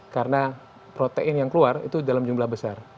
karena protein yang keluar itu dalam jumlah besar